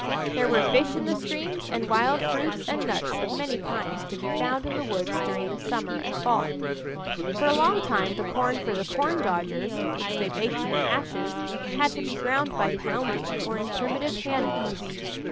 There were fish in the streams and wild fruits and nuts of many kinds to be found in the woods during the summer and fall. For a long time the corn for the "corndodgers" which they baked in the ashes, had to be ground by pounding, or in primitive hand mills.